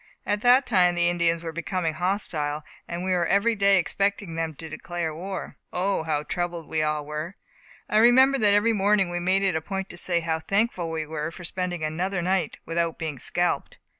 At that time the Indians were becoming hostile, and we were every day expecting them to declare war. O, how troubled we all were! I remember that every morning we made it a point to say how thankful we were for spending another night, without being scalped.